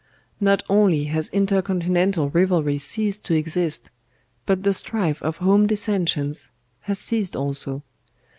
Not only has intercontinental rivalry ceased to exist, but the strife of home dissensions has ceased also.